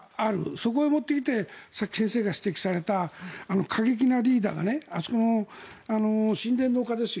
そこへ持ってきてさっき先生が指摘された過激なリーダーがあそこの神殿の丘ですよ。